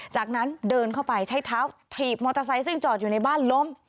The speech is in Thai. จากนั้นเดินเข้าไปใช้เท้าถีบมอเตอร์ไซค์ซึ่งจอดอยู่ในบ้านล้ม